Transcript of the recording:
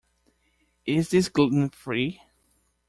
Is this gluten-free?